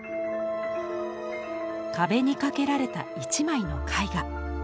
壁に掛けられた一枚の絵画。